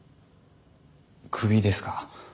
クビですか？